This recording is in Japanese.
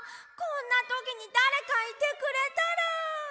こんなときにだれかいてくれたら。